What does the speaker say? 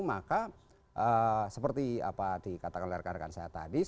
maka seperti apa dikatakan oleh rekan rekan saya tadi